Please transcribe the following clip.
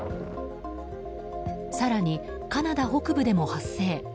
更に、カナダ北部でも発生。